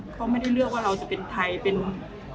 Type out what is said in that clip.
เขาไม่เลือกว่าเริ่มในไทยเป็นคน